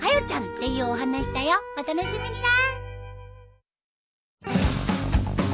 お楽しみにね。